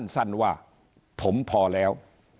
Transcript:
สั้นว่าผมพอแล้ว